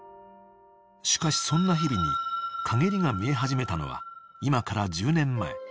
［しかしそんな日々に陰りが見え始めたのは今から］